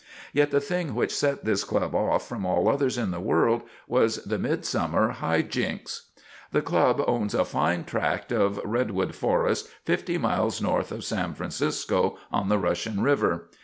Yet the thing which set this club off from all others in the world was the midsummer High Jinks. The club owns a fine tract of redwood forest fifty miles north of San Francisco on the Russian River.